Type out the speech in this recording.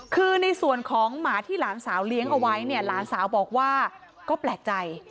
คือในส่วนของหมาที่หลานสาวเลี้ยงเอาไว้เนี่ยหลานสาวบอกว่าก็แปลกใจ